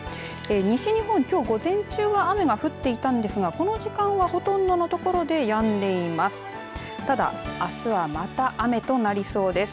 西日本、きょう午前中は雨が降っていたんですが、この時間はほとんどの所でやんでいます。